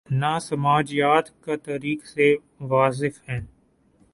نہ سماجیات کا" تاریخ سے واقف ہیں۔